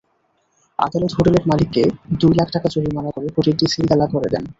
আদালত হোটেলের মালিককে দুই লাখ টাকা জরিমানা করে হোটেলটি সিলগালা করে দেন।